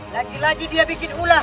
lagi lagi dia bikin ulah